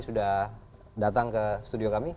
sudah datang ke studio kami